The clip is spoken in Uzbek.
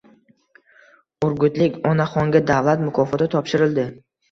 Urgutlik onaxonga davlat mukofoti topshirildi